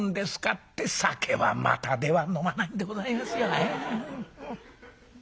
って酒は股では飲まないんでございますよ」。